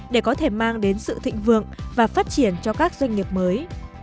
để có thể mang đến sự thịnh vượng và phát triển cho các doanh nghiệp mới